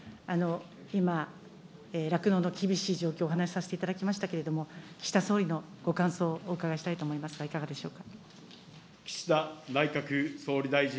今、酪農の厳しい状況、お話させていただきましたけれども、岸田総理のご感想をお伺いしたいと思いますが、いかがでしょうか。